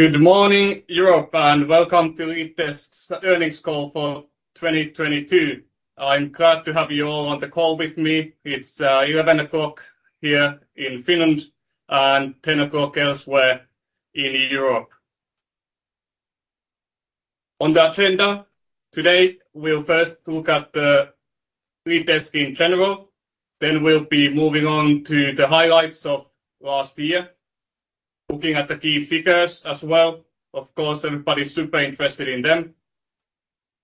Good morning, Europe, welcome to LeadDesk's earnings call for 2022. I'm glad to have you all on the call with me. It's 11:00 A.M. here in Finland and 10:00 A.M. elsewhere in Europe. On the agenda today, we'll first look at the LeadDesk in general, then we'll be moving on to the highlights of last year, looking at the key figures as well. Of course, everybody's super interested in them.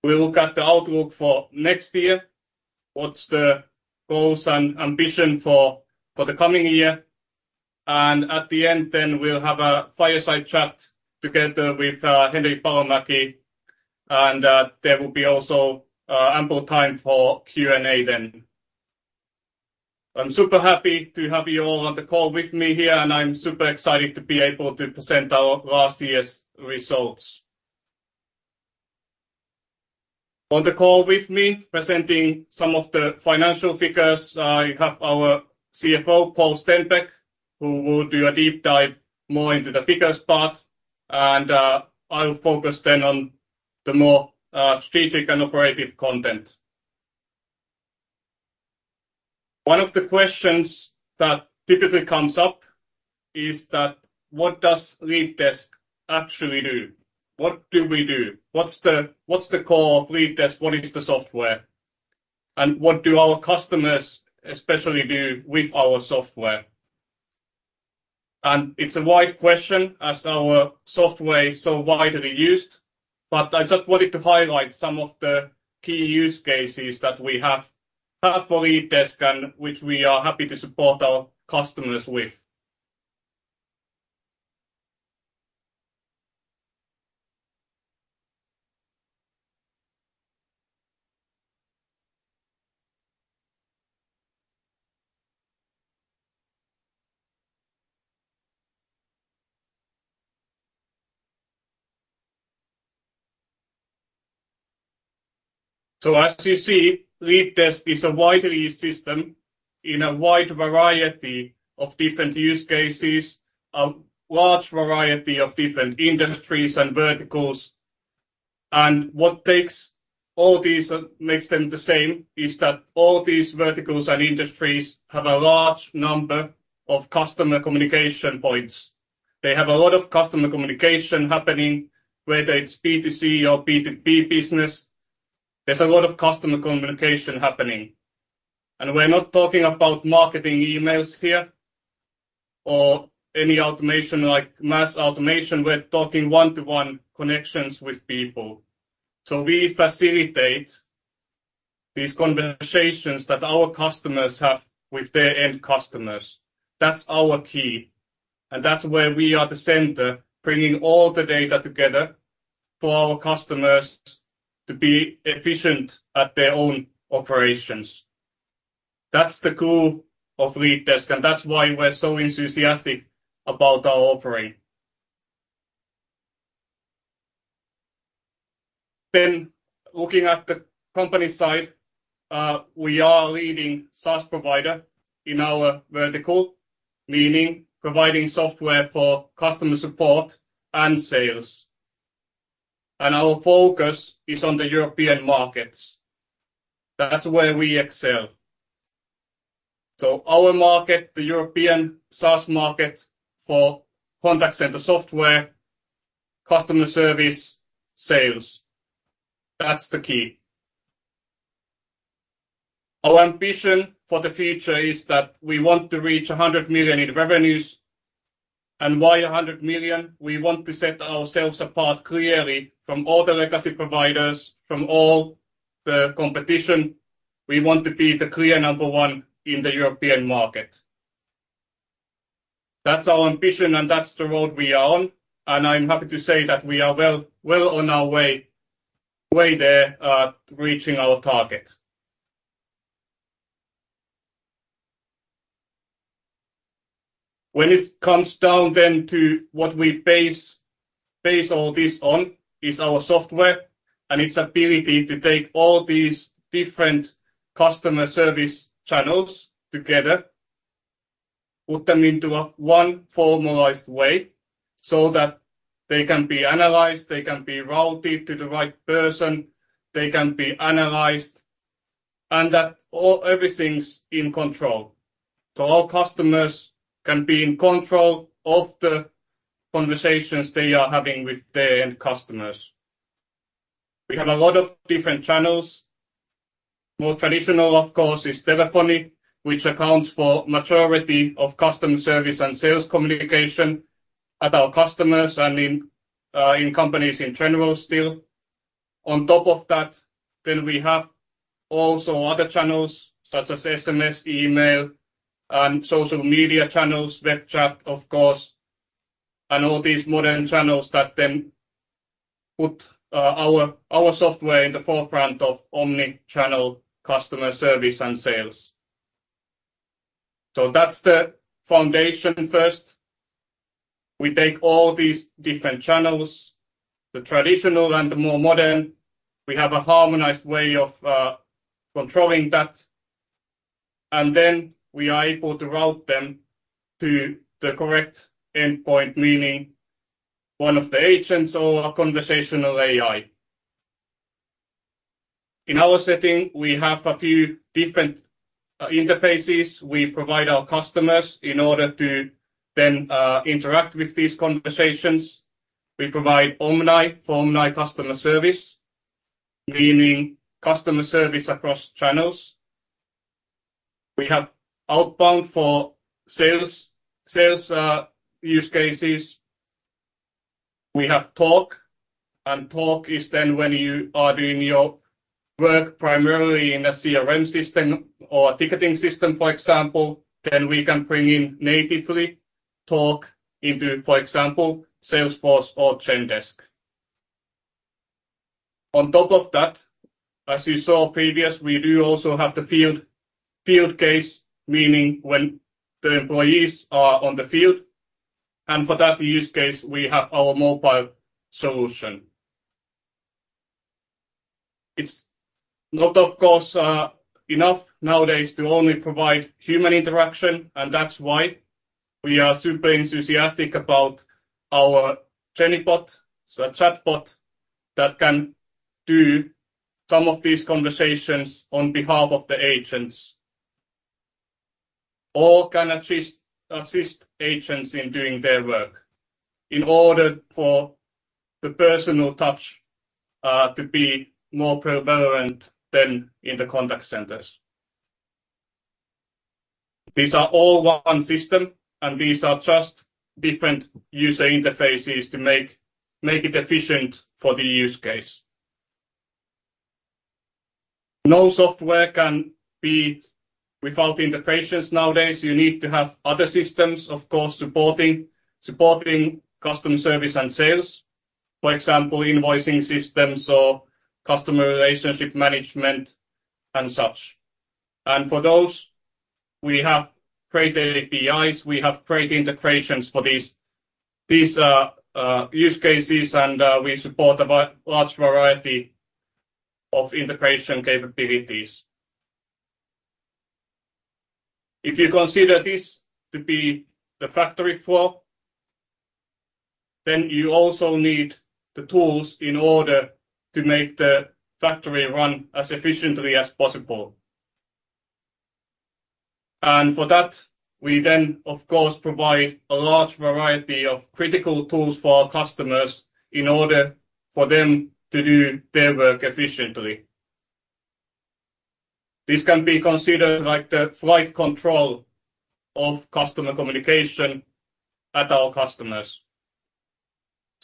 We'll look at the outlook for next year, what's the goals and ambition for the coming year, and at the end then we'll have a fireside chat together with Henri Palomäki, and there will be also ample time for Q&A then. I'm super happy to have you all on the call with me here, and I'm super excited to be able to present our last year's results. On the call with me, presenting some of the financial figures, you have our CFO, Paul Stenbäck, who will do a deep dive more into the figures part and I'll focus then on the more strategic and operative content. One of the questions that typically comes up is that what does LeadDesk actually do? What do we do? What's the core of LeadDesk? What is the software? What do our customers especially do with our software? It's a wide question as our software is so widely used. I just wanted to highlight some of the key use cases that we have for LeadDesk and which we are happy to support our customers with. As you see, LeadDesk is a widely used system in a wide variety of different use cases, a large variety of different industries and verticals. What takes all these and makes them the same is that all these verticals and industries have a large number of customer communication points. They have a lot of customer communication happening, whether it's B2C or B2B business. There's a lot of customer communication happening. We're not talking about marketing emails here or any automation like mass automation. We're talking one-to-one connections with people. We facilitate these conversations that our customers have with their end customers. That's our key, and that's where we are the center, bringing all the data together for our customers to be efficient at their own operations. That's the core of LeadDesk, and that's why we're so enthusiastic about our offering. Looking at the company side, we are a leading SaaS provider in our vertical, meaning providing software for customer support and sales. Our focus is on the European markets. That's where we excel. Our market, the European SaaS market for contact center software, customer service, sales, that's the key. Our ambition for the future is that we want to reach 100 million in revenues. Why 100 million? We want to set ourselves apart clearly from all the legacy providers, from all the competition. We want to be the clear number one in the European market. That's our ambition, and that's the road we are on. I'm happy to say that we are well on our way there at reaching our targets. When it comes down then to what we base all this on is our software and its ability to take all these different customer service channels together, put them into a one formalized way so that they can be analyzed, they can be routed to the right person, they can be analyzed, and that everything's in control. Our customers can be in control of the conversations they are having with their end customers. We have a lot of different channels. Most traditional, of course, is telephony, which accounts for majority of customer service and sales communication at our customers and in companies in general still. On top of that, then we have also other channels such as SMS, email, and social media channels, web chat, of course, and all these modern channels that then put our software in the forefront of omnichannel customer service and sales. That's the foundation first. We take all these different channels, the traditional and the more modern. We have a harmonized way of controlling that. We are able to route them to the correct endpoint, meaning one of the agents or a conversational AI. In our setting, we have a few different interfaces we provide our customers in order to then interact with these conversations. We provide Omni for omnichannel customer service, meaning customer service across channels. We have outbound for sales use cases. We have LeadDesk Talk. LeadDesk Talk is then when you are doing your work primarily in a CRM system or a ticketing system, for example, then we can bring in natively LeadDesk Talk into, for example, Salesforce or Zendesk. On top of that, as you saw previous, we do also have the field case, meaning when the employees are on the field. For that use case, we have our mobile solution. It's not, of course, enough nowadays to only provide human interaction. That's why we are super enthusiastic about our JennyBot, a chatbot that can do some of these conversations on behalf of the agents or can assist agents in doing their work in order for the personal touch to be more prevalent than in the contact centers. These are all one system, and these are just different user interfaces to make it efficient for the use case. No software can be without integrations nowadays. You need to have other systems, of course, supporting customer service and sales. For example, invoicing systems or customer relationship management and such. For those, we have great APIs, we have great integrations for these use cases, and we support a large variety of integration capabilities. If you consider this to be the factory floor, then you also need the tools in order to make the factory run as efficiently as possible. For that, we then, of course, provide a large variety of critical tools for our customers in order for them to do their work efficiently. This can be considered like the flight control of customer communication at our customers.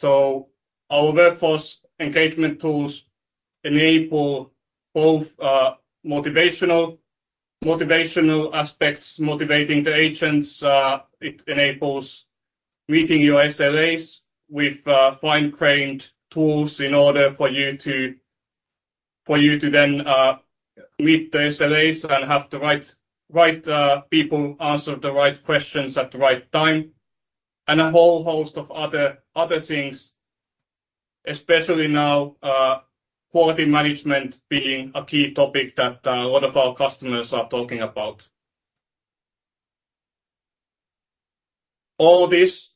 Our workforce engagement tools enable both motivational aspects, motivating the agents. It enables meeting your SLAs with fine-grained tools in order for you to then meet the SLAs and have the right people answer the right questions at the right time, and a whole host of other things. Especially now, quality management being a key topic that a lot of our customers are talking about. All this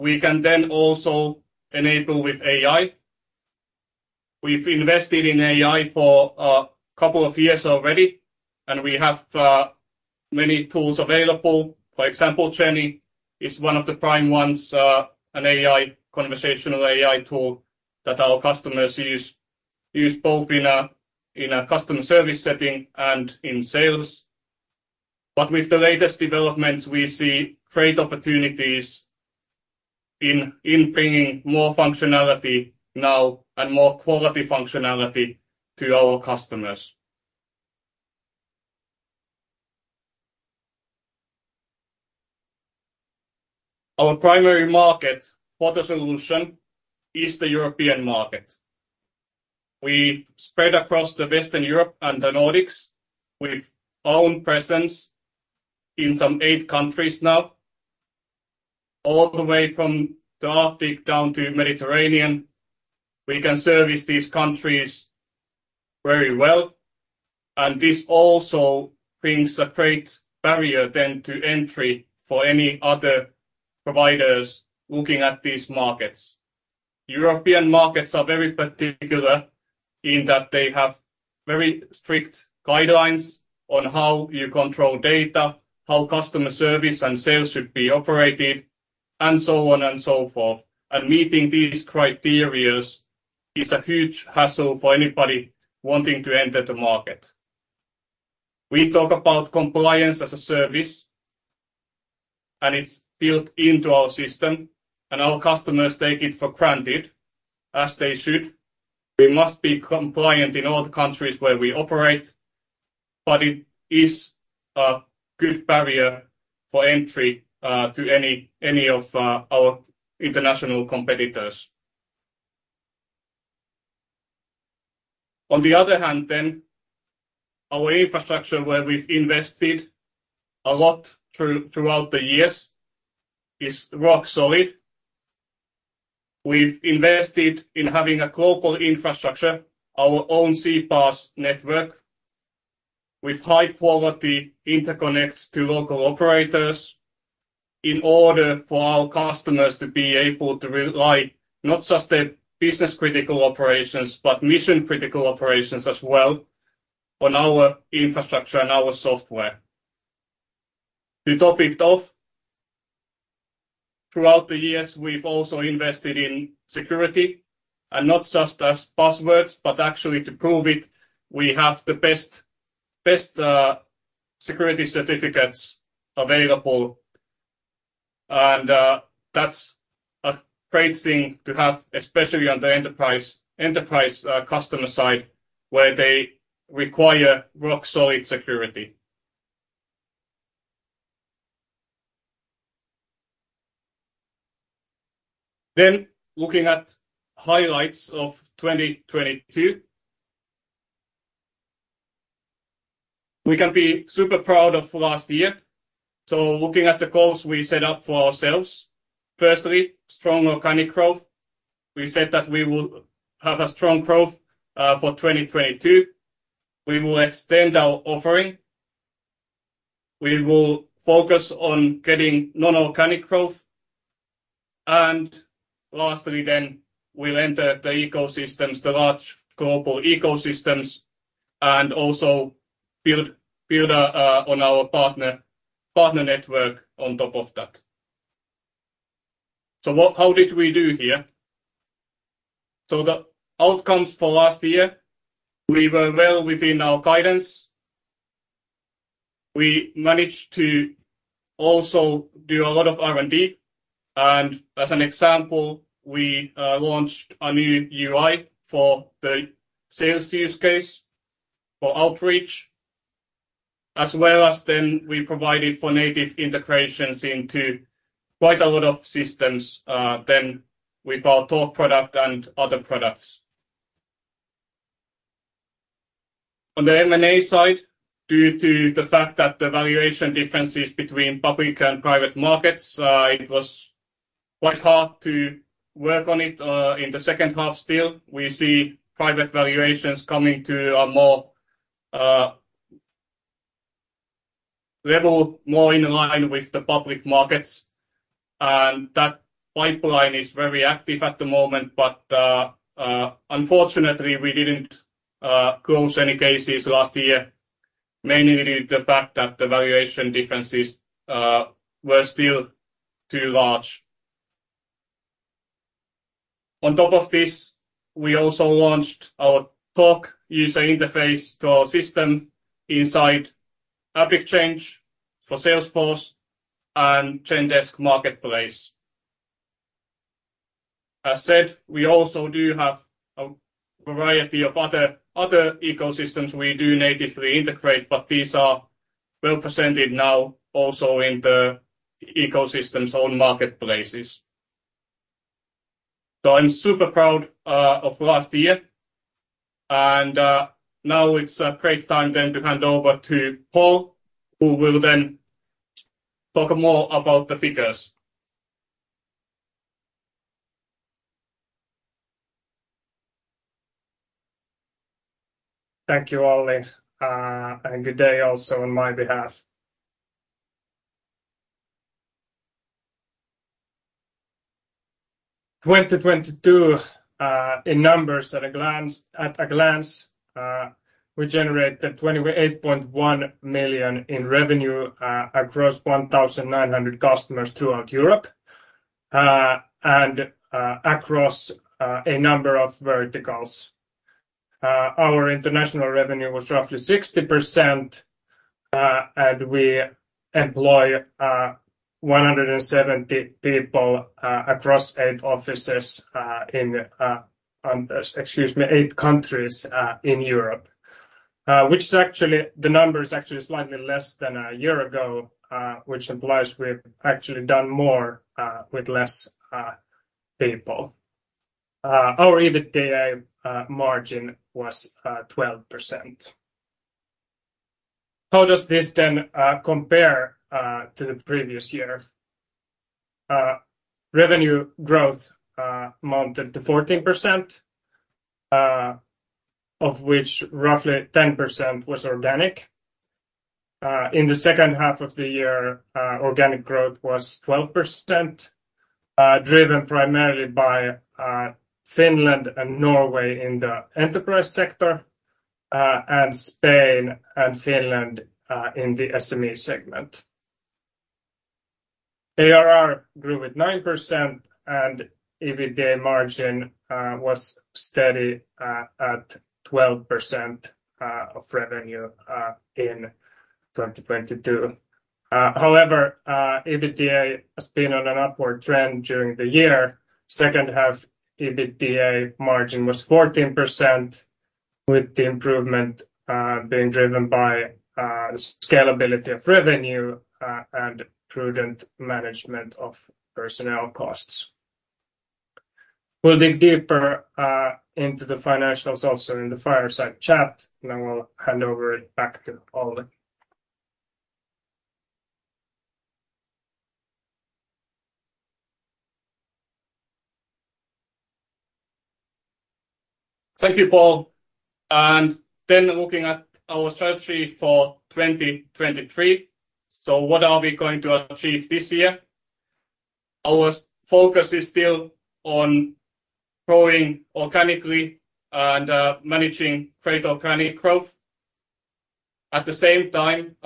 we can then also enable with AI. We've invested in AI for two years already, and we have many tools available. For example, Jenny is one of the prime ones, an AI, conversational AI tool that our customers use both in a customer service setting and in sales. With the latest developments, we see great opportunities in bringing more functionality now and more quality functionality to our customers. Our primary market for the solution is the European market. We've spread across Western Europe and the Nordics with own presence in some eight countries now. All the way from the Arctic down to Mediterranean, we can service these countries very well, and this also brings a great barrier then to entry for any other providers looking at these markets. European markets are very particular in that they have very strict guidelines on how you control data, how customer service and sales should be operated, and so on and so forth. Meeting these criterias is a huge hassle for anybody wanting to enter the market. We talk about compliance as a service, and it's built into our system, and our customers take it for granted, as they should. We must be compliant in all the countries where we operate, but it is a good barrier for entry to any of our international competitors. On the other hand, our infrastructure, where we've invested a lot throughout the years, is rock solid. We've invested in having a global infrastructure, our own CPaaS network with high-quality interconnects to local operators in order for our customers to be able to rely, not just their business critical operations, but mission-critical operations as well on our infrastructure and our software. To top it off, throughout the years, we've also invested in security and not just as passwords, but actually to prove it, we have the best security certificates available. That's a great thing to have, especially on the enterprise customer side where they require rock solid security. Looking at highlights of 2022. We can be super proud of last year. Looking at the goals we set up for ourselves. Firstly, strong organic growth. We said that we will have a strong growth for 2022. We will extend our offering. We will focus on getting non-organic growth. Lastly, we'll enter the ecosystems, the large global ecosystems, and also build on our partner network on top of that. How did we do here? The outcomes for last year, we were well within our guidance. We managed to also do a lot of R&D. As an example, we launched a new UI for the sales use case for Outreach, as well as then we provided for native integrations into quite a lot of systems with our Talk product and other products. On the M&A side, due to the fact that the valuation differences between public and private markets, it was quite hard to work on it. In the second half still, we see private valuations coming to a more level more in line with the public markets. That pipeline is very active at the moment, but unfortunately, we didn't close any cases last year, mainly due to the fact that the valuation differences were still too large. On top of this, we also launched our Talk user interface to our system inside AppExchange for Salesforce and LeadDesk Marketplace. As said, we also do have a variety of other ecosystems we do natively integrate, but these are well presented now also in the ecosystems own marketplaces. I'm super proud of last year and now it's a great time then to hand over to Paul Stenbäck, who will then talk more about the figures. Thank you, Olli. Good day also on my behalf. 2022 in numbers at a glance. We generated 28.1 million in revenue across 1,900 customers throughout Europe and across a number of verticals. Our international revenue was roughly 60%, and we employ 170 people across eight offices in eight countries in Europe. Which is actually, the number is actually slightly less than a year ago, which implies we've actually done more with less people. Our EBITDA margin was 12%. How does this compare to the previous year? Revenue growth amounted to 14%, of which roughly 10% was organic. In the second half of the year, organic growth was 12%, driven primarily by Finland and Norway in the enterprise sector, and Spain and Finland in the SME segment. ARR grew at 9% and EBITDA margin was steady at 12% of revenue in 2022. However, EBITDA has been on an upward trend during the year. Second half EBITDA margin was 14% with the improvement being driven by scalability of revenue and prudent management of personnel costs. We'll dig deeper into the financials also in the fireside chat. And now I'll hand over back to Olli. Thank you, Paul. Looking at our strategy for 2023. What are we going to achieve this year? Our focus is still on growing organically and managing great organic growth. At the same time,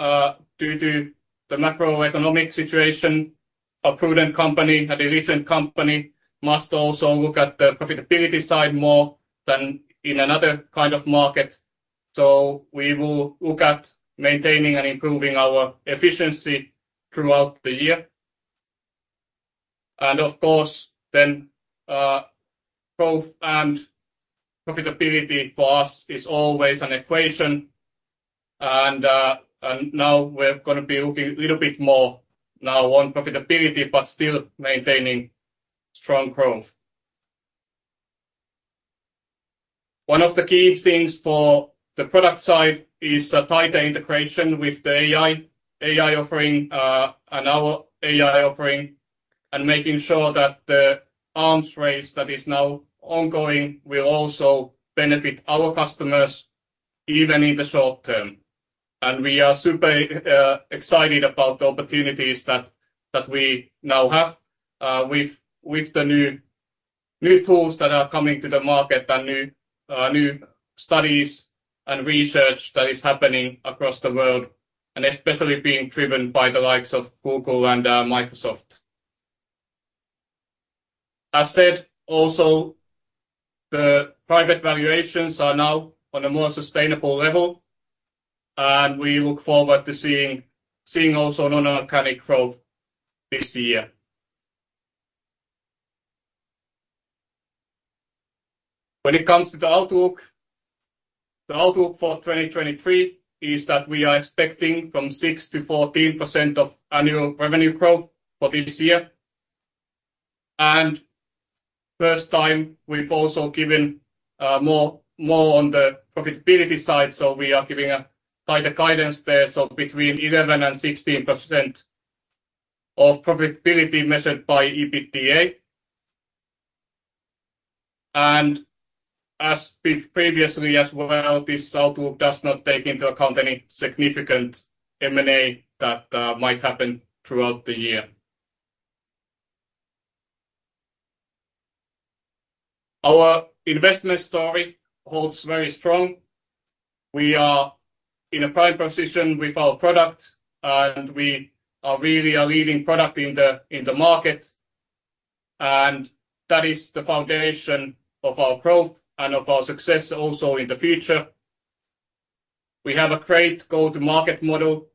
due to the macroeconomic situation, a prudent company, a diligent company must also look at the profitability side more than in another kind of market. We will look at maintaining and improving our efficiency throughout the year. Of course then, growth and profitability for us is always an equation. Now we're gonna be looking a little bit more now on profitability but still maintaining strong growth. One of the key things for the product side is a tighter integration with the AI offering, and our AI offering, and making sure that the arms race that is now ongoing will also benefit our customers even in the short term. We are super excited about the opportunities that we now have with the new tools that are coming to the market and new studies and research that is happening across the world, and especially being driven by the likes of Google and Microsoft. As said also, the private valuations are now on a more sustainable level, and we look forward to seeing also non-organic growth this year. When it comes to the outlook, the outlook for 2023 is that we are expecting from 6%-14% of annual revenue growth for this year. First time we've also given more on the profitability side. We are giving a tighter guidance there. Between 11% and 16% of profitability measured by EBITDA. As previously as well, this outlook does not take into account any significant M&A that might happen throughout the year. Our investment story holds very strong. We are in a prime position with our product, and we are really a leading product in the market, and that is the foundation of our growth and of our success also in the future. We have a great go-to-market model.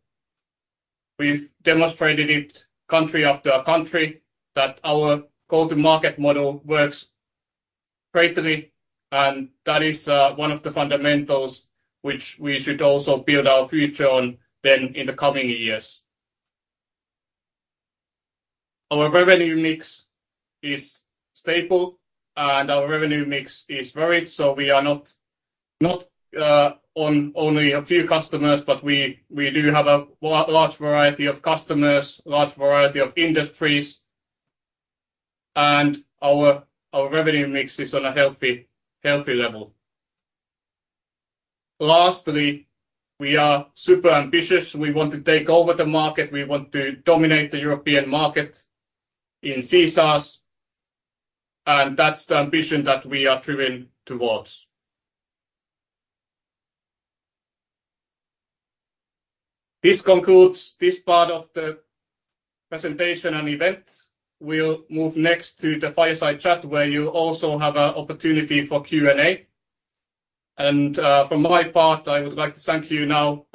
We've demonstrated it country after country that our go-to-market model works greatly, and that is one of the fundamentals which we should also build our future on in the coming years. Our revenue mix is stable, our revenue mix is varied, we are not on only a few customers, but we do have a large variety of customers, large variety of industries, our revenue mix is on a healthy level. Lastly, we are super ambitious. We want to take over the market. We want to dominate the European market in CSaaS, that's the ambition that we are driven towards. This concludes this part of the presentation and event. We'll move next to the fireside chat, where you also have a opportunity for Q&A. From my part, I would like to thank you now,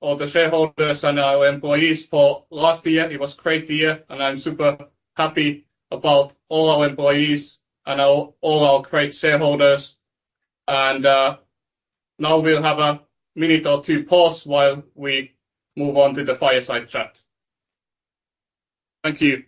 all the shareholders and our employees for last year. It was great year, I'm super happy about all our employees and all our great shareholders. Now, we'll have a minute or two pause while we move on to the fireside chat. Thank you.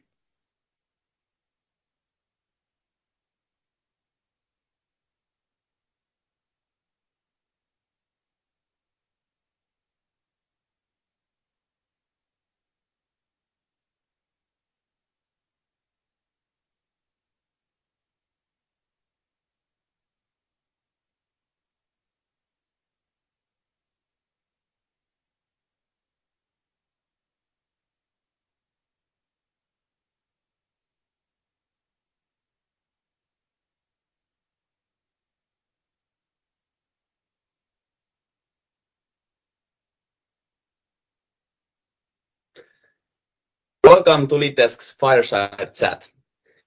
Welcome to LeadDesk's fireside chat.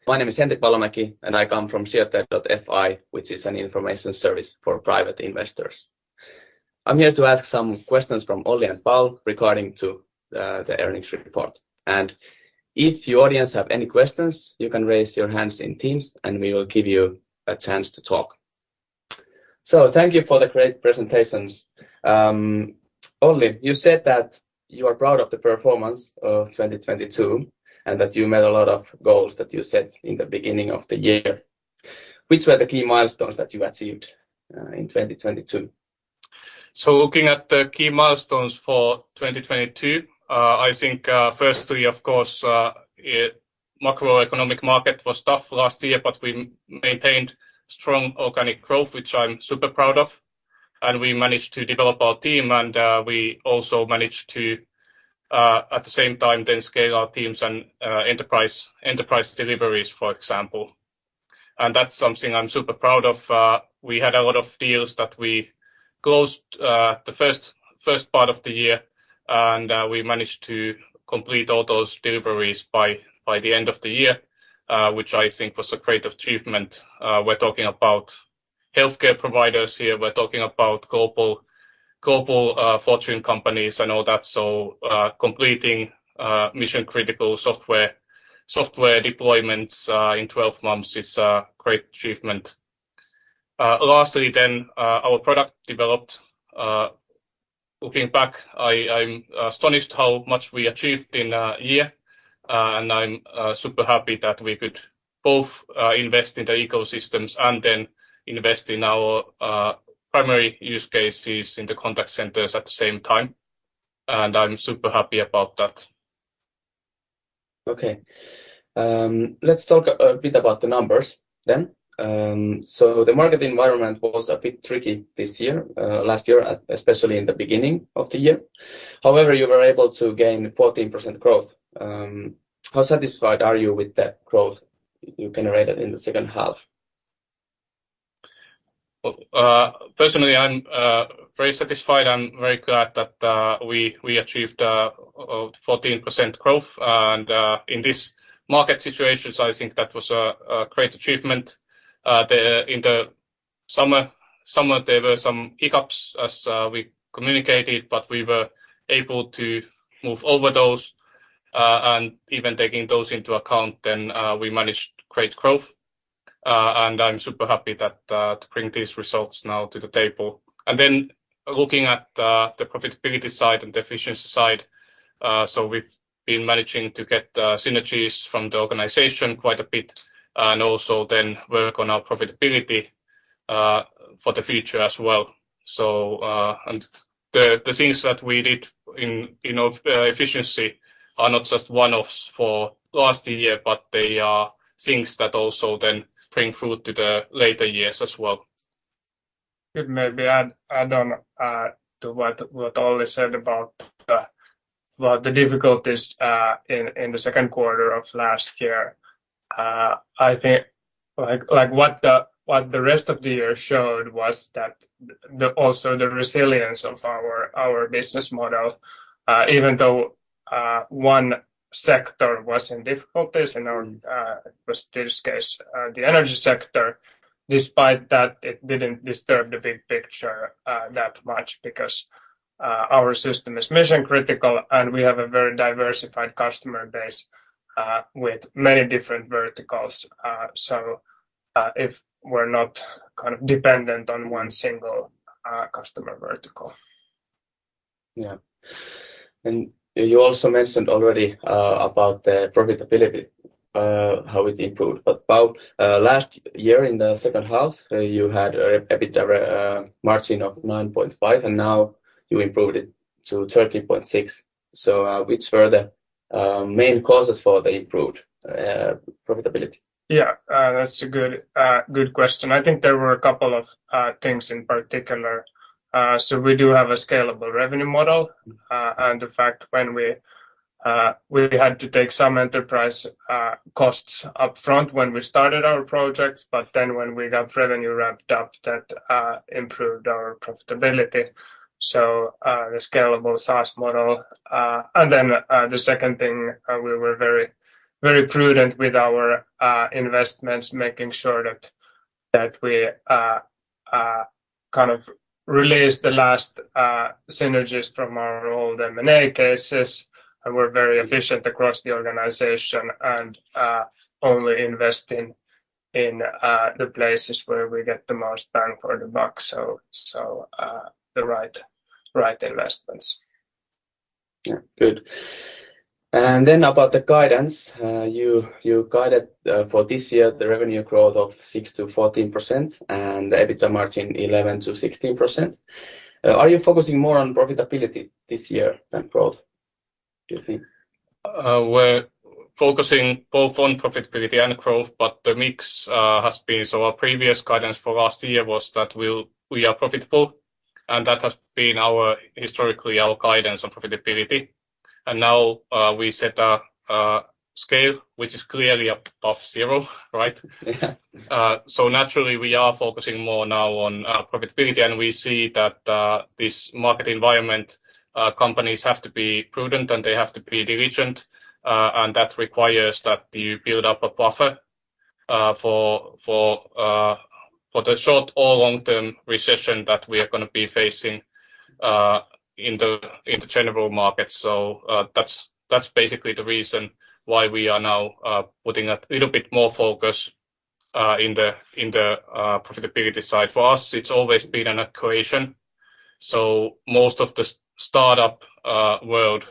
My name is Henri Palomäki, and I come from Sijoittaja.fi, which is an information service for private investors. I'm here to ask some questions from Olli and Paul regarding to the earnings report. If you audience have any questions, you can raise your hands in Teams, and we will give you a chance to talk. Thank you for the great presentations. Olli, you said that you are proud of the performance of 2022 and that you met a lot of goals that you set in the beginning of the year. Which were the key milestones that you achieved in 2022? Looking at the key milestones for 2022, I think, firstly, of course, macroeconomic market was tough last year, but we maintained strong organic growth, which I'm super proud of, and we managed to develop our team and we also managed to at the same time then scale our teams and enterprise deliveries, for example. That's something I'm super proud of. We had a lot of deals that we closed the first part of the year, and we managed to complete all those deliveries by the end of the year, which I think was a great achievement. We're talking about healthcare providers here. We're talking about global fortune companies and all that. Completing mission-critical software deployments in 12 months is a great achievement. Lastly, our product developed. Looking back, I'm astonished how much we achieved in a year. I'm super happy that we could both invest in the ecosystems and invest in our primary use cases in the contact centers at the same time. I'm super happy about that. Let's talk a bit about the numbers. The market environment was a bit tricky this year, last year, especially in the beginning of the year. However, you were able to gain 14% growth. How satisfied are you with that growth you generated in the second half? Well, personally, I'm very satisfied and very glad that we achieved 14% growth and in these market situations, I think that was a great achievement. In the summer, there were some hiccups as we communicated, but we were able to move over those, and even taking those into account, and we managed great growth. I'm super happy that to bring these results now to the table. Looking at the profitability side and efficiency side, we've been managing to get the synergies from the organization quite a bit and also then work on our profitability for the future as well. The, the things that we did in efficiency are not just one-offs for last year, but they are things that also then bring fruit to the later years as well. It may be add on to what Olli said about the, well the difficulties in the second quarter of last year. I think like what the rest of the year showed was that the also the resilience of our business model. Even though one sector was in difficulties and it was this case, the energy sector, despite that, it didn't disturb the big picture that much because our system is mission-critical, and we have a very diversified customer base with many different verticals. If we're not kind of dependent on one single customer vertical. Yeah. You also mentioned already, about the profitability, how it improved. About last year in the second half, you had an EBITDA margin of 9.5%. Now you improved it to 13.6%. Which were the main causes for the improved profitability? Yeah, that's a good question. I think there were a couple of things in particular. We do have a scalable revenue model. In fact, when we had to take some enterprise costs up front when we started our projects, but then when we got revenue ramped up, that improved our profitability. The scalable SaaS model. Then, the second thing, we were very prudent with our investments, making sure that we, kind of released the last synergies from our old M&A cases, and we're very efficient across the organization and only investing in the places where we get the most bang for the buck. The right investments. Yeah. Good. About the guidance, you guided, for this year the revenue growth of 6%-14% and the EBITDA margin 11%-16%. Are you focusing more on profitability this year than growth, do you think? We're focusing both on profitability and growth. The mix has been... Our previous guidance for last year was that we are profitable, and that has been historically our guidance on profitability. Now, we set a scale, which is clearly up of zero, right? Yeah. We are focusing more now on profitability, and we see that this market environment, companies have to be prudent, and they have to be diligent, and that requires that you build up a buffer for for for the short or long-term recession that we are going to be facing in the general market. That's basically the reason why we are now putting a little bit more focus in the profitability side. For us, it's always been an equation. Most of the startup world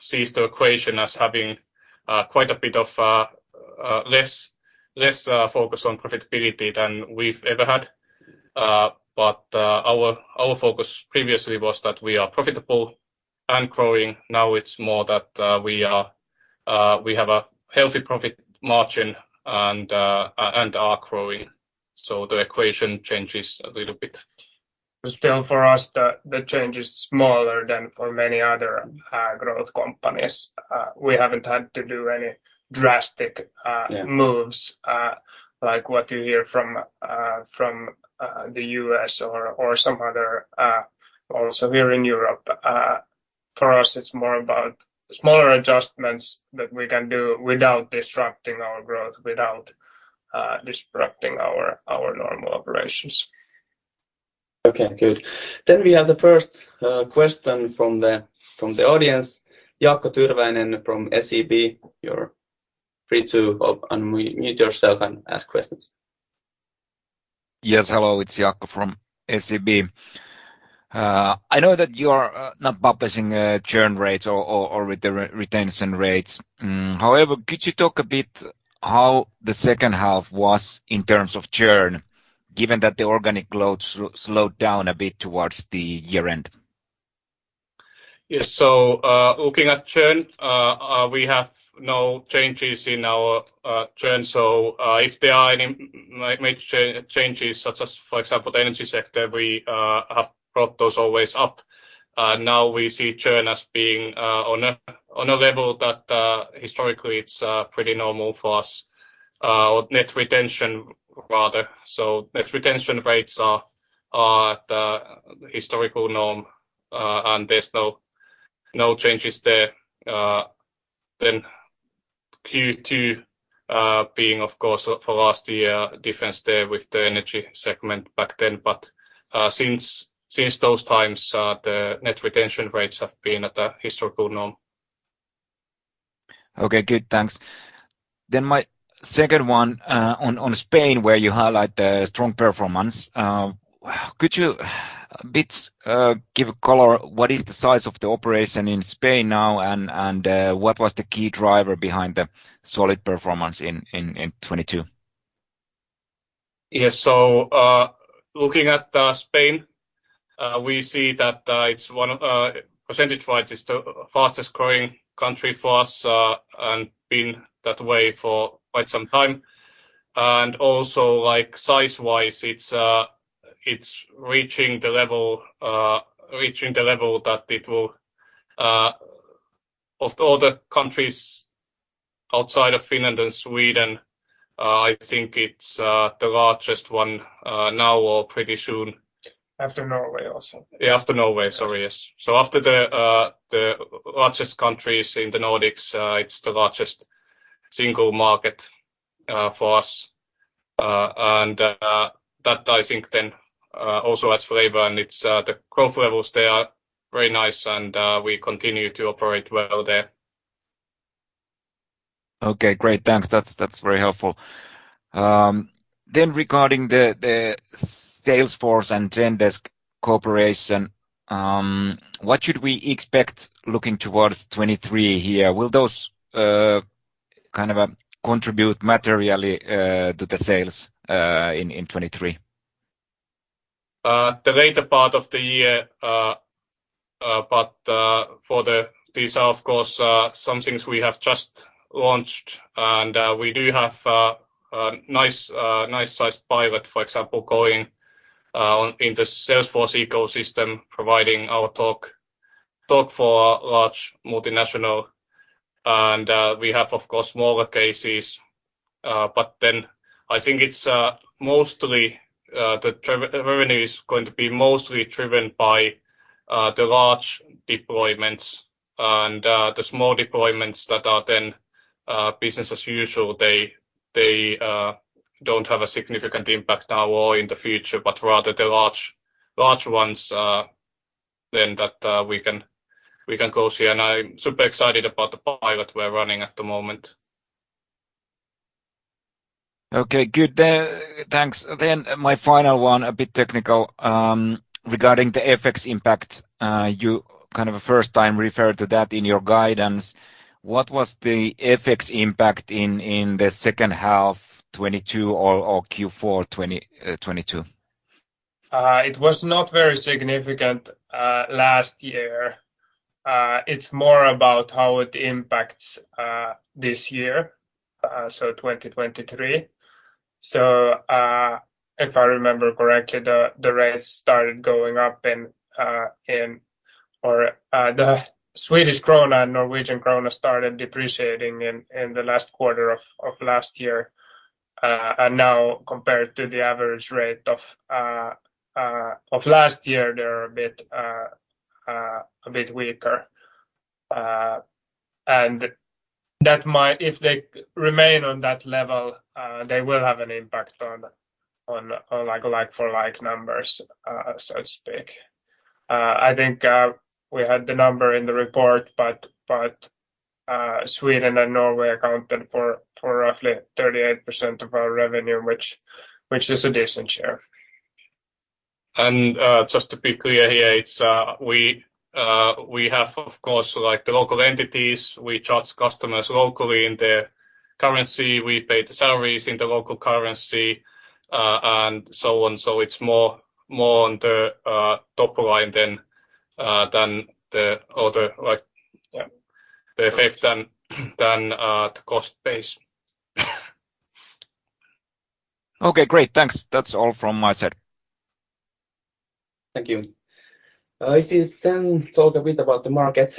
sees the equation as having quite a bit of less less focus on profitability than we've ever had. But our focus previously was that we are profitable and growing. Now it's more that we are... We have a healthy profit margin and are growing. The equation changes a little bit. For us, the change is smaller than for many other growth companies. We haven't had to do any drastic- Yeah.... moves, like what you hear from the U.S. or some other, also here in Europe. For us, it's more about smaller adjustments that we can do without disrupting our growth, without disrupting our normal operations. Okay. Good. We have the first question from the audience. Jaakko Tyrväinen from SEB. You're free to unmute yourself and ask questions. Yes. Hello. It's Jaakko from SEB. I know that you're not publishing churn rates or retention rates. Could you talk a bit how the second half was in terms of churn, given that the organic growth slowed down a bit towards the year end? Yes. Looking at churn, we have no changes in our churn. If there are any major changes, such as, for example, the energy sector, we have brought those always up. Now we see churn as being on a level that historically, it's pretty normal for us. Net retention rather... Net retention rates are at the historical norm, and there's no changes there. Q2, being of course for last year, difference there with the energy segment back then, but since those times, the net retention rates have been at a historical norm. Okay. Good. Thanks. My second one, on Spain, where you highlight the strong performance, could you a bit give color? What is the size of the operation in Spain now, and what was the key driver behind the solid performance in 2022? Yes. Looking at Spain, we see that, percentage-wise, it's the fastest growing country for us, and been that way for quite some time. Also, like size-wise, it's reaching the level that it will, of all the countries outside of Finland and Sweden, I think it's the largest one now or pretty soon. After Norway also. Yeah, after Norway. Sorry, yes. After the largest countries in the Nordics, it's the largest single market for us. That I think then also adds flavor. It's the growth levels there are very nice and we continue to operate well there. Okay. Great. Thanks. That's very helpful. Regarding the Salesforce and Zendesk cooperation, what should we expect looking towards 2023 here? Will those kind of contribute materially to the sales in 2023? These are, of course, some things we have just launched, and we do have a nice-sized pilot, for example, going on in the Salesforce ecosystem, providing our Talk for a large multinational. We have of course smaller cases. I think it's mostly the revenue is going to be mostly driven by the large deployments and the small deployments that are then business as usual. They don't have a significant impact now or in the future, but rather the large ones that we can, we can close here. I'm super excited about the pilot we're running at the moment. Okay. Good then. Thanks. My final one, a bit technical, regarding the FX impact. You kind of first time referred to that in your guidance. What was the FX impact in the second half 2022 or Q4 2022? It was not very significant last year. It's more about how it impacts this year, so 2023. If I remember correctly, the rates started going up, or the Swedish krona and Norwegian krona started depreciating in the last quarter of last year. Now compared to the average rate of last year, they're a bit weaker. That might If they remain on that level, they will have an impact on like a like-for-like numbers, so to speak. I think we had the number in the report, but Sweden and Norway accounted for roughly 38% of our revenue, which is a decent share. Just to be clear here, it's, we have, of course, like the local entities. We charge customers locally in their currency. We pay the salaries in the local currency, and so on. It's more on the top line than than the other, like, the effect than than the cost base. Okay, great. Thanks. That's all from my side. Thank you. If you then talk a bit about the market,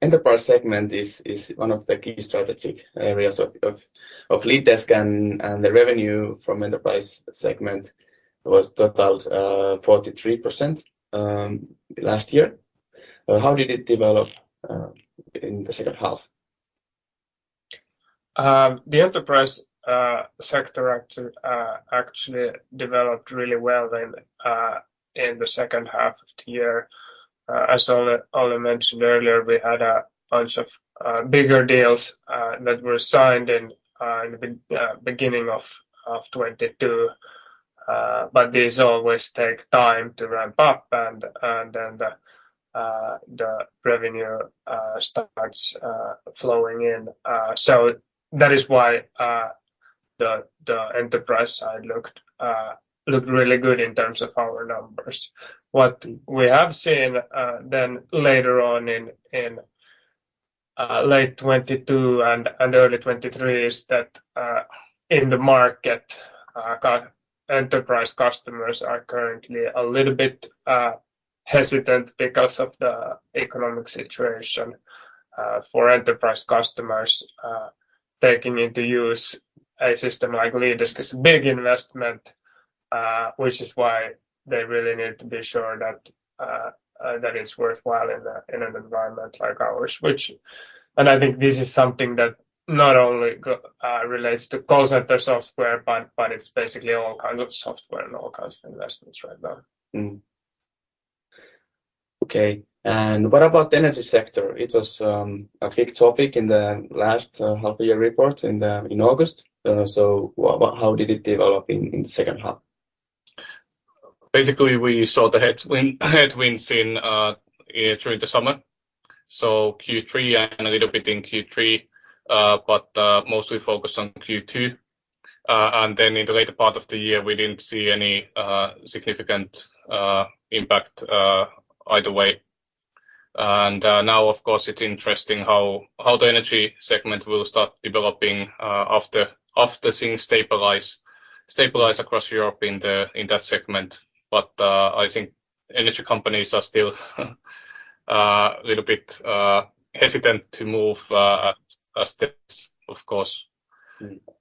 enterprise segment is one of the key strategic areas of LeadDesk and the revenue from enterprise segment was total, 43%, last year. How did it develop in the second half? The enterprise sector actually developed really well in the second half of the year. As Olli mentioned earlier, we had a bunch of bigger deals that were signed in the beginning of 2022. But these always take time to ramp up and then the revenue starts flowing in. So that is why the enterprise side looked really good in terms of our numbers. What we have seen then later on in late 2022 and early 2023 is that in the market, enterprise customers are currently a little bit hesitant because of the economic situation for enterprise customers. Taking into use a system like LeadDesk is a big investment, which is why they really need to be sure that it's worthwhile in a, in an environment like ours. Which... I think this is something that not only relates to call center software, but it's basically all kinds of software and all kinds of investments right now. Mm-hmm. Okay. What about the energy sector? It was a big topic in the last half year report in August. How did it develop in the second half? Basically, we saw the headwinds in, during the summer, so Q3 and a little bit in Q3, but mostly focused on Q2. Then in the later part of the year, we didn't see any significant impact either way. Now of course, it's interesting how the energy segment will start developing after things stabilize across Europe in that segment. I think energy companies are still little bit hesitant to move steps, of course.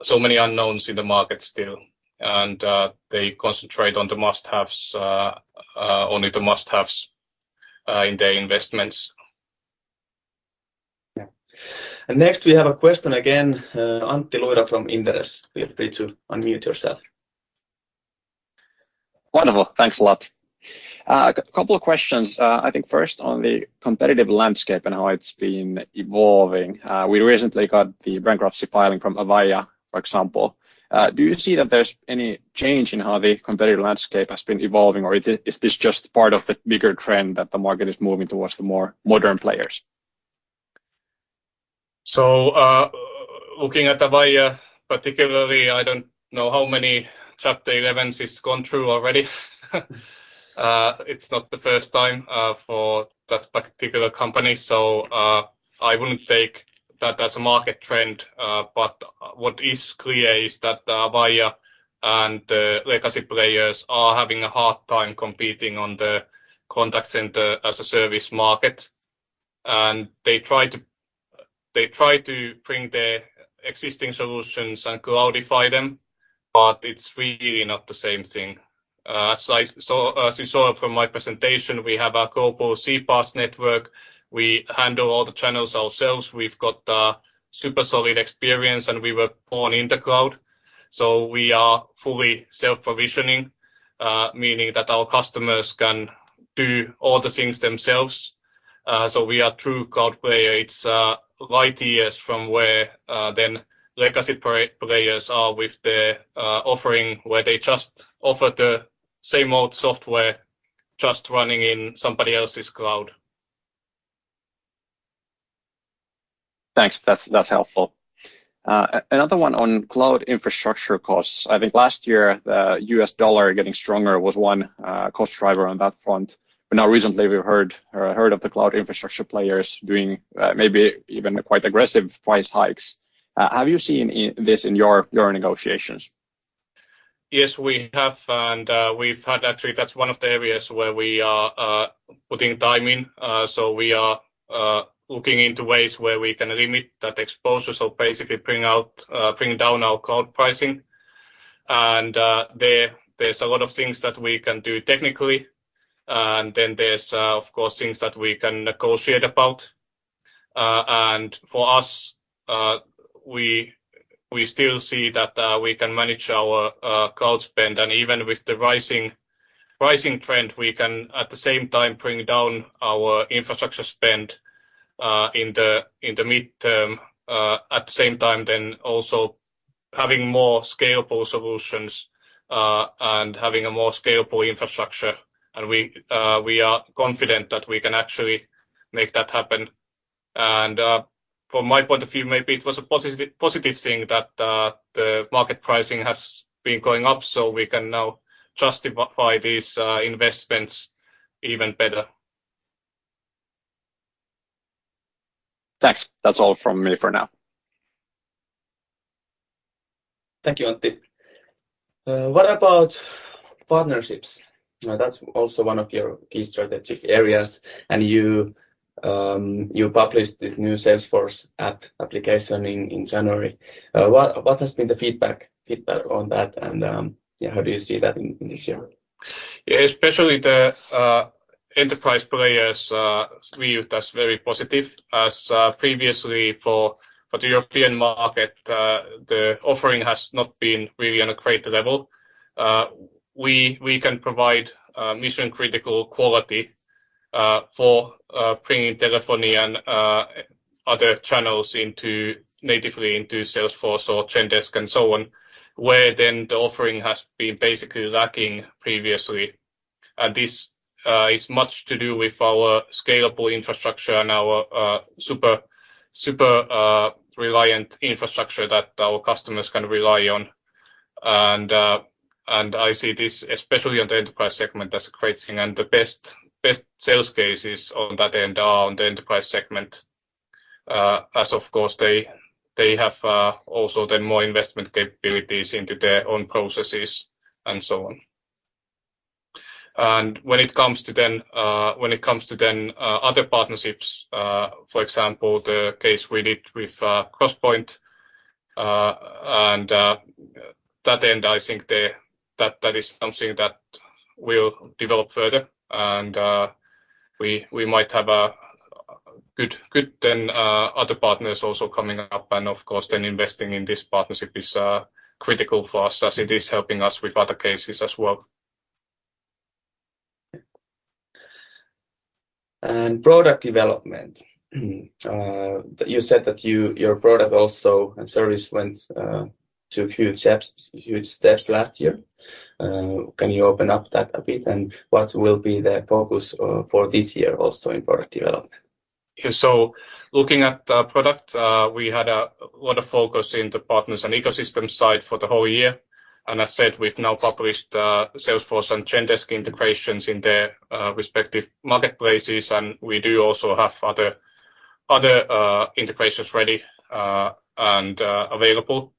So many unknowns in the market still, and they concentrate on the must-haves, only the must-haves in their investments. Yeah. Next we have a question again, Antti Luiro from Inderes. Feel free to unmute yourself. Wonderful. Thanks a lot. A couple of questions. I think first on the competitive landscape and how it's been evolving. We recently got the bankruptcy filing from Avaya, for example. Do you see that there's any change in how the competitive landscape has been evolving, or is this just part of the bigger trend that the market is moving towards the more modern players? Looking at Avaya particularly, I don't know how many Chapter 11s it's gone through already. It's not the first time for that particular company, I wouldn't take that as a market trend. What is clear is that Avaya and the legacy players are having a hard time competing on the contact center as a service market. They try to bring their existing solutions and cloudify them, it's really not the same thing. As you saw from my presentation, we have our global CPaaS network. We handle all the channels ourselves. We've got super solid experience, we were born in the cloud. We are fully self-provisioning, meaning that our customers can do all the things themselves. We are true cloud player. It's light years from where then legacy players are with their offering, where they just offer the same old software just running in somebody else's cloud. Thanks. That's helpful. Another one on cloud infrastructure costs. I think last year, the U.S. dollar getting stronger was one cost driver on that front. Now recently we've heard of the cloud infrastructure players doing maybe even quite aggressive price hikes. Have you seen this in your negotiations? Yes, we have. We've had actually that's one of the areas where we are putting time in. We are looking into ways where we can limit that exposure, so basically bring out, bring down our cloud pricing. There's a lot of things that we can do technically. Then there's of course things that we can negotiate about. For us, we still see that we can manage our cloud spend, and even with the rising trend, we can at the same time bring down our infrastructure spend in the midterm, at the same time then also having more scalable solutions, and having a more scalable infrastructure. We are confident that we can actually make that happen. From my point of view, maybe it was a positive thing that the market pricing has been going up, so we can now justify these investments even better. Thanks. That's all from me for now. Thank you, Antti. What about partnerships? That's also one of your key strategic areas, and you published this new Salesforce app application in January. What has been the feedback on that and, yeah, how do you see that in this year? Yeah, especially the enterprise players, viewed as very positive as previously for the European market, the offering has not been really on a great level. We can provide mission-critical quality for bringing telephony and other channels into natively into Salesforce or Zendesk and so on, where then the offering has been basically lacking previously. This is much to do with our scalable infrastructure and our super reliant infrastructure that our customers can rely on. I see this especially on the enterprise segment as a great thing and the best sales cases on that end are on the enterprise segment, as of course they have also then more investment capabilities into their own processes and so on. When it comes to then, other partnerships, for example, the case we did with CrossPoint, and that end, I think that is something that we'll develop further and we might have a good then, other partners also coming up. Of course then investing in this partnership is critical for us as it is helping us with other cases as well. Product development. You said that your product also and service went to huge steps last year. Can you open up that a bit? What will be the focus for this year also in product development? Yeah. Looking at the product, we had a lot of focus in the partners and ecosystem side for the whole year. As said, we've now published Salesforce and Zendesk integrations in their respective marketplaces, and we do also have other integrations ready and available.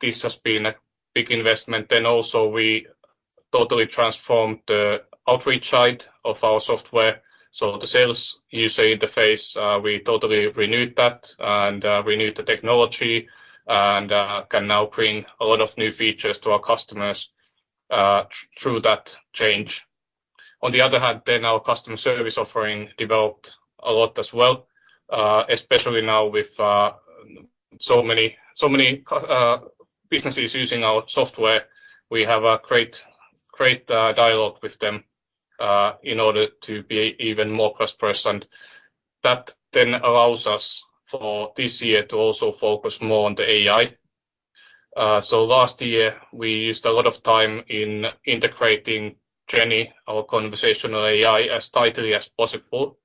This has been a big investment. Also we totally transformed the outreach side of our software. The sales user interface, we totally renewed that and renewed the technology and can now bring a lot of new features to our customers through that change. On the other hand, our customer service offering developed a lot as well, especially now with so many businesses using our software. We have a great dialogue with them in order to be even more cost-pressed. That then allows us for this year to also focus more on the AI. Last year we used a lot of time in integrating Jenny, our conversational AI, as tightly as possible,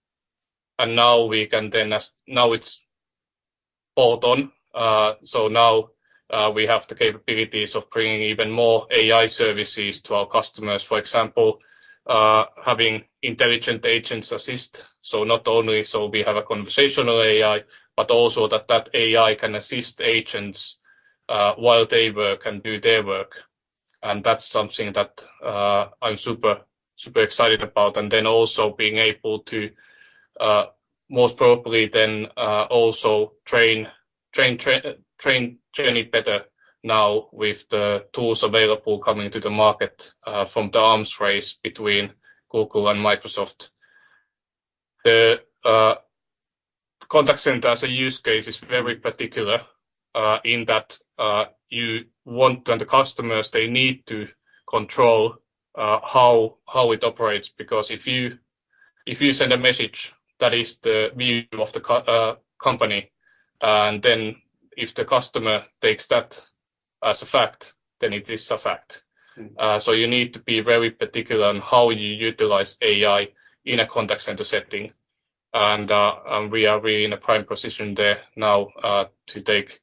and now we can then, now it's all done. Now, we have the capabilities of bringing even more AI services to our customers. For example, having intelligent agents assist, so not only so we have a conversational AI, but also that that AI can assist agents, while they work and do their work. That's something that, I'm super excited about. Also being able to, most probably then, also train Jenny better now with the tools available coming to the market, from the arms race between Google and Microsoft. The contact center as a use case is very particular in that you want and the customers, they need to control how it operates because if you send a message that is the view of the company, and then if the customer takes that as a fact, then it is a fact. So you need to be very particular on how you utilize AI in a contact center setting. We are really in a prime position there now to take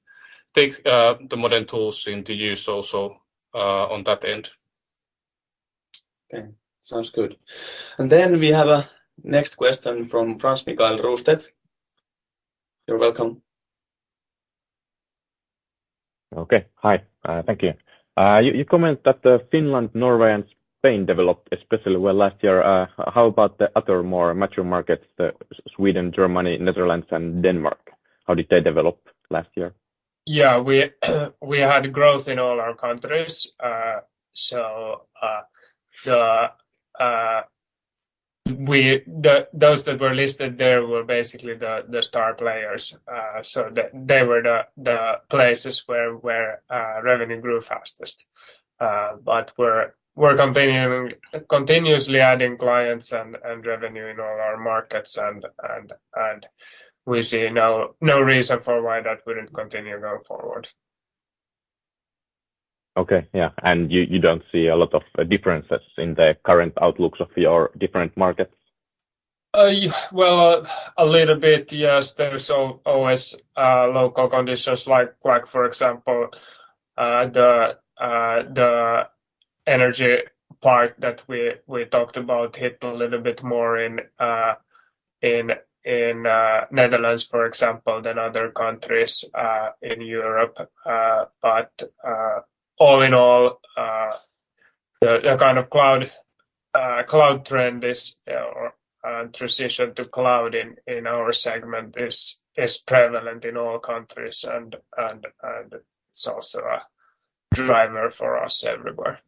the modern tools into use also on that end. Okay. Sounds good. We have a next question from Frans-Mikael Rostedt. You're welcome. Okay. Hi. Thank you. You comment that the Finland, Norway and Spain developed especially well last year. How about the other more mature markets, Sweden, Germany, Netherlands and Denmark? How did they develop last year? Yeah, we had growth in all our countries. Those that were listed there were basically the star players. They were the places where revenue grew fastest. We're continuously adding clients and revenue in all our markets and we see no reason for why that wouldn't continue going forward. Okay. Yeah. You don't see a lot of differences in the current outlooks of your different markets? Well, a little bit, yes. There's always local conditions like for example, the energy part that we talked about hit a little bit more in Netherlands, for example, than other countries in Europe. All in all, the kind of cloud trend is or transition to cloud in our segment is prevalent in all countries and it's also a driver for us everywhere.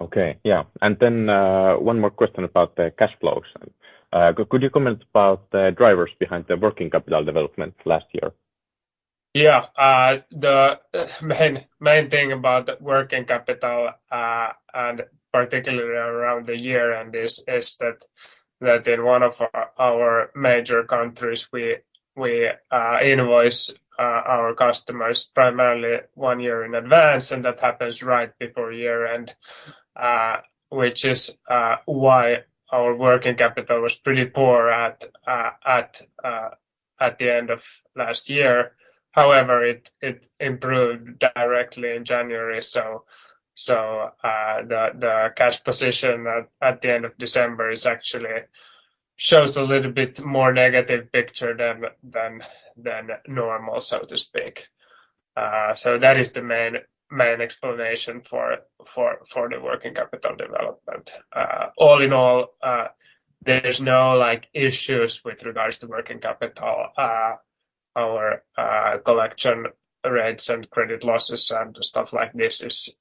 Okay. Yeah. one more question about the cash flows then. could you comment about the drivers behind the working capital development last year? The main thing about working capital, and particularly around the year-end is that in one of our major countries, we invoice our customers primarily one year in advance, and that happens right before year-end, which is why our working capital was pretty poor at the end of last year. It improved directly in January. The cash position at the end of December is actually shows a little bit more negative picture than normal, so to speak. That is the main explanation for the working capital development. All in all, there's no like issues with regards to working capital. Our collection rates and credit losses and stuff like this is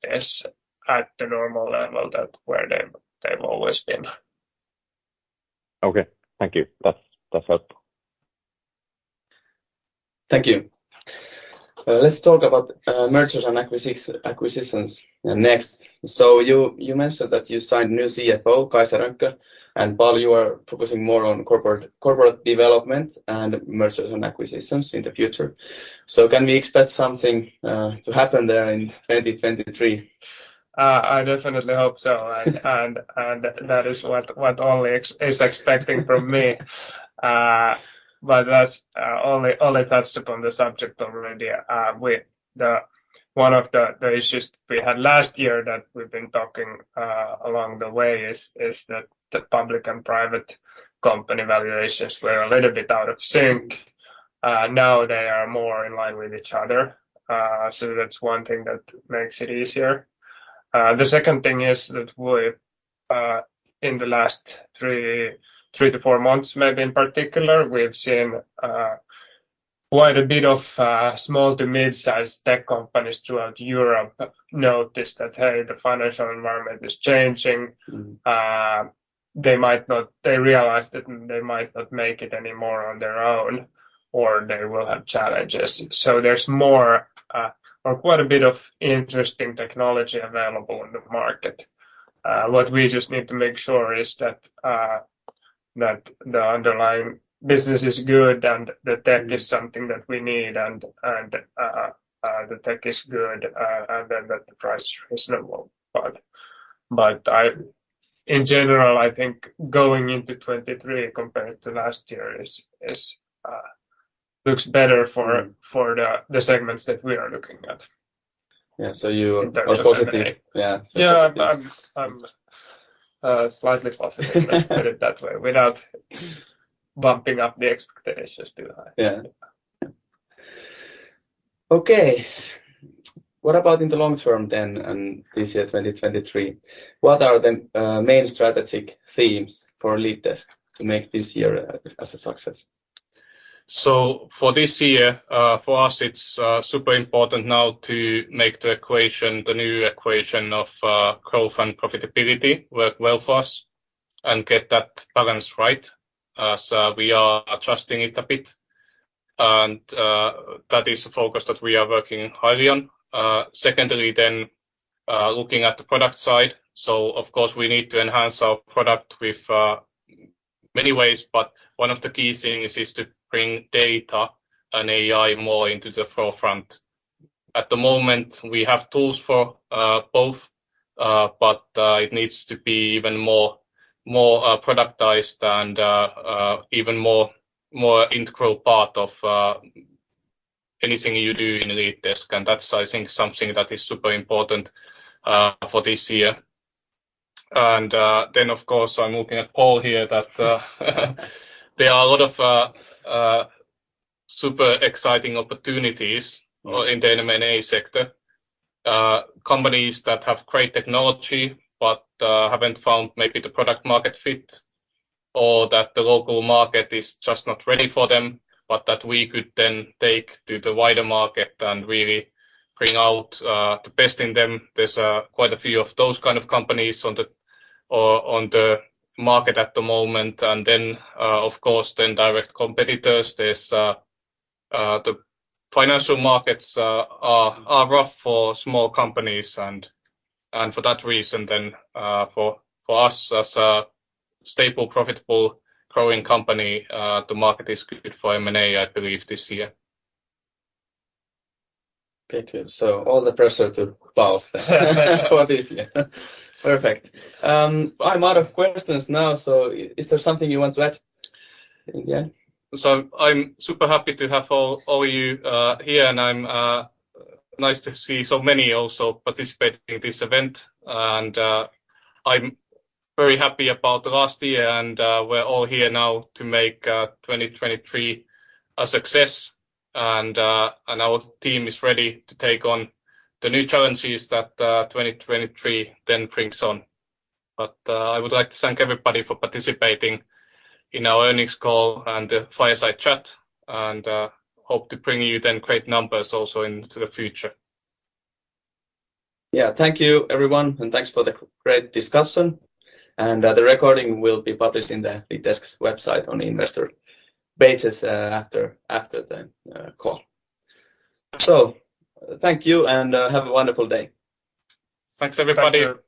at the normal level that where they've always been. Okay. Thank you. That's helpful. Thank you. Let's talk about mergers and acquisitions next. You mentioned that you signed new CFO, Kaisa Rönkkö, and while you are focusing more on corporate development and mergers and acquisitions in the future. Can we expect something to happen there in 2023? I definitely hope so. That is what Olli is expecting from me. That's Olli touched upon the subject already. One of the issues we had last year that we've been talking, along the way is that the public and private company valuations were a little bit out of sync. Now they are more in line with each other. That's one thing that makes it easier. The second thing is that we've, in the last three to four months, maybe in particular, we have seen, quite a bit of, small to mid-sized tech companies throughout Europe notice that, hey, the financial environment is changing. They might not... They realize that they might not make it anymore on their own, or they will have challenges. There's more, or quite a bit of interesting technology available in the market. What we just need to make sure is that the underlying business is good and the tech is something that we need and the tech is good, and then that the price is level. In general, I think going into 2023 compared to last year looks better for the segments that we are looking at. Yeah. You are positive. In terms of M&A. Yeah. Yeah. I'm slightly positive, let's put it that way, without bumping up the expectations too high. Yeah. Okay. What about in the long term then, and this year, 2023? What are the main strategic themes for LeadDesk to make this year as a success? For this year, for us, it's super important now to make the equation, the new equation of growth and profitability work well for us and get that balance right as we are adjusting it a bit. That is the focus that we are working highly on. Secondly, looking at the product side. Of course, we need to enhance our product with many ways, but one of the key things is to bring data and AI more into the forefront. At the moment, we have tools for both, but it needs to be even more productized and even more integral part of anything you do in LeadDesk, and that's, I think, something that is super important for this year. Then of course, I'm looking at Paul Stenbäck here that there are a lot of super exciting opportunities in data and AI sector. Companies that have great technology but haven't found maybe the product market fit or that the local market is just not ready for them, but that we could then take to the wider market and really bring out the best in them. There's quite a few of those kind of companies on the market at the moment. Of course, direct competitors. There's the financial markets are rough for small companies and for that reason, for us as a stable, profitable growing company, the market is good for M&A, I believe, this year. Okay. Good. All the pressure to both for this year. Perfect. I'm out of questions now. Is there something you want to add, yeah? I'm super happy to have all of you here, and I'm nice to see so many also participating in this event. I'm very happy about last year, we're all here now to make 2023 a success. Our team is ready to take on the new challenges that 2023 brings on. I would like to thank everybody for participating in our earnings call and the fireside chat, hope to bring you great numbers also into the future. Yeah. Thank you, everyone, and thanks for the great discussion. The recording will be published in the LeadDesk's website on the investor basis, after the call. Thank you, and have a wonderful day. Thanks, everybody.